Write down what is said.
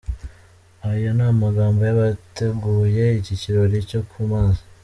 Ayo ni amagambo y’abateguye iki kirori cyo ku mazi.